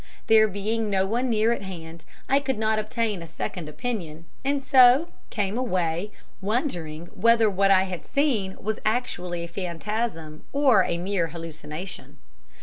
There being no one near at hand, I could not obtain a second opinion, and so came away wondering whether what I had seen was actually a phantasm or a mere hallucination.